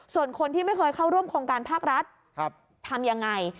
ส่วนคนที่ไม่เคยเข้าร่วมโครงการภาครัฐทำยังไง